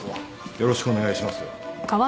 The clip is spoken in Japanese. よろしくお願いしますよ。